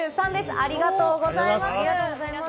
ありがとうございます。